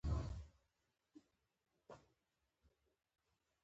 هغه باید په چټکۍ ځان ډهلي ته را ورسوي.